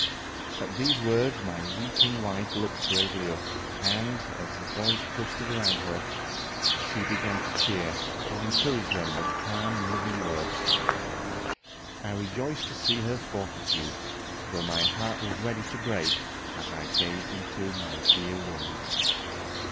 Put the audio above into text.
At these words my weeping wife looked bravely up, and, as the boys clustered round her, she began to cheer and encourage them with calm and loving words. I rejoiced to see her fortitude, though my heart was ready to break as I gazed on my dear ones....